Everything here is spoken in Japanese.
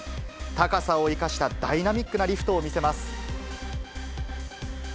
高さを生かしたダイナミックなリフトを見せます。